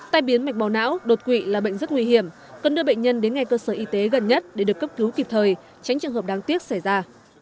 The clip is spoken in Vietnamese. tai biến mạch màu não đột quỵ là bệnh rất nguy hiểm cần đưa bệnh nhân đến ngay cơ sở y tế gần nhất để được cấp cứu kịp thời tránh trường hợp đáng tiếc xảy ra